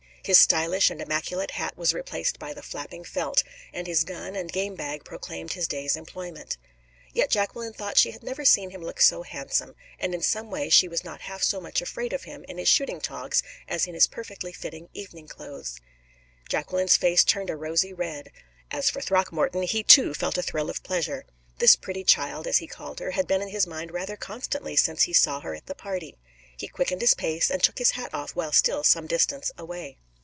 His stylish and immaculate hat was replaced by the flapping felt, and his gun and game bag proclaimed his day's employment. Yet Jacqueline thought she had never seen him look so handsome, and in some way she was not half so much afraid of him in his shooting togs as in his perfectly fitting evening clothes. Jacqueline's face turned a rosy red. As for Throckmorton, he too felt a thrill of pleasure. This pretty child, as he called her, had been in his mind rather constantly since he saw her at the party. He quickened his pace, and took his hat off while still some distance away.